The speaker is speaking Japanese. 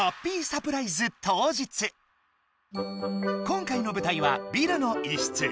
今回のぶたいはビルの一室。